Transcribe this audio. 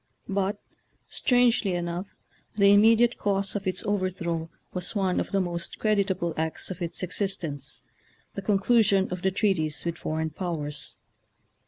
But, strangely enough, the im mediate cause of its overthrow was one of the most creditable acts of its exist ence — the conclusion of the treaties with foreign powers.